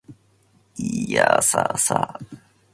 いーやーさーさ